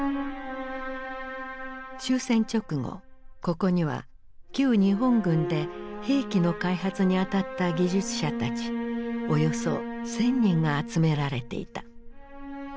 終戦直後ここには旧日本軍で兵器の開発に当たった技術者たちおよそ１，０００人が集められていた。